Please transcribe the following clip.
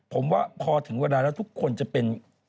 ผมว่าพอถึงเวลาแล้วทุกคนจะเป็น